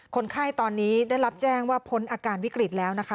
คนไข้ตอนนี้ได้รับแจ้งว่าพ้นอาการวิกฤตแล้วนะคะ